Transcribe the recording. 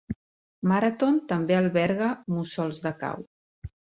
Marathon també alberga mussols de cau.